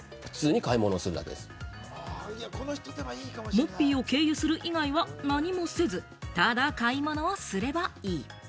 モッピーを経由する以外は何もせず、ただ買い物をすればいい。